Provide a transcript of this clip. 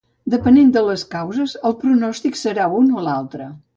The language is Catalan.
Depenent de les causes el pronòstic serà un o altre.